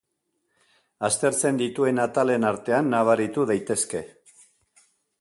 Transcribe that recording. Aztertzen dituen atalen artean nabaritu daitezke.